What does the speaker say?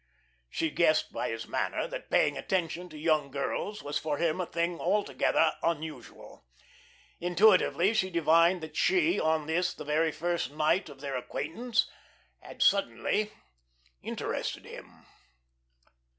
She guessed by his manner that paying attention to young girls was for him a thing altogether unusual. Intuitively she divined that she, on this, the very first night of their acquaintance, had suddenly interested him.